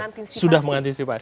mereka sudah mengantisipasi